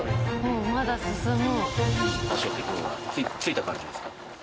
まだ進む。